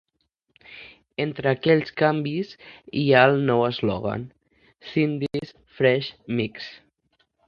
Entre aquells canvi hi havia el nou eslògan "Sydney's Fresh Mix".